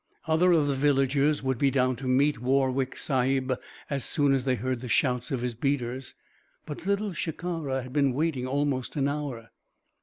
Other of the villagers would be down to meet Warwick Sahib as soon as they heard the shouts of his beaters but Little Shikara had been waiting almost an hour.